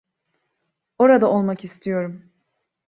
Orada olmak istiyorum.